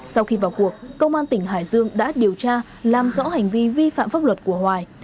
sau khi vào cuộc công an tỉnh hải dương đã điều tra làm rõ hành vi vi phạm pháp luật của hoài